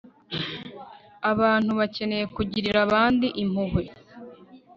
abantu bakeneye kugirira abandi impuhwe